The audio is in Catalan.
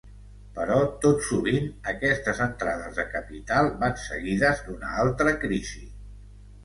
Però, tot sovint, aquestes entrades de capital van seguides d'una altra crisi.